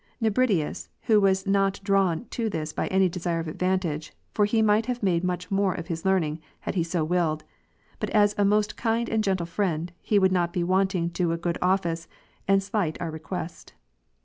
Nebridius then was not drav\'n to this by any desire of advantage, (for he might have made much more of his learning had he so willed,) but as a most kind and gentle friend, he would not be wanting to a good office, and slight our request.